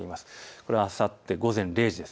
これ、あさって午前０時です。